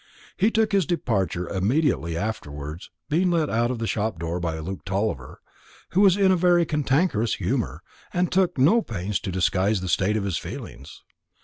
He took his departure immediately afterwards, being let out of the shop door by Luke Tulliver, who was in a very cantankerous humour, and took no pains to disguise the state of his feelings.